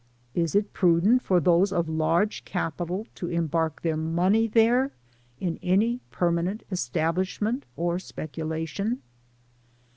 Is it prudent for those of large capital to embark their money there in any 'permanent esta^ blishment or spectdation